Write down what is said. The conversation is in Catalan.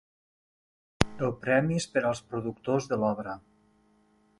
El premi és per als productors de l'obra.